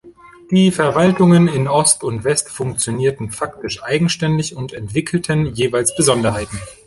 Die Verwaltungen in Ost und West funktionierten faktisch eigenständig und entwickelten jeweils Besonderheiten.